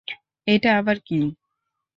এ আবার কী?